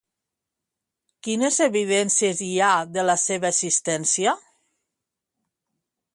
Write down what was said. Quines evidències hi ha de la seva existència?